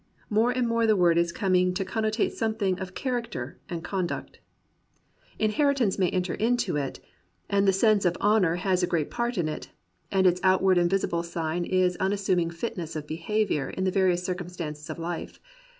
More and more the word is coming to con note something in character and conduct. Inheri 106 THACKERAY AND REAL MEN tance may enter into it, and the sense of honour has a great part in it, and its outward and visible sign is an unassuming fitness of behaviour in the various circumstances of Ufe.